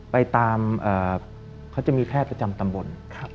ไปตามเขาจะมีแพทย์ประจำตำบล